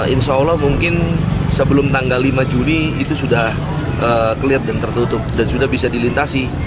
insya allah mungkin sebelum tanggal lima juni itu sudah clear dan tertutup dan sudah bisa dilintasi